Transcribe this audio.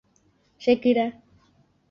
Chekyra.